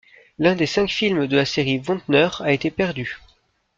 L'un des cinq films de la série Wontner a été perdu.